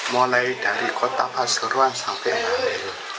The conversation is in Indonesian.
mulai dari kota paseruan sampai mahlil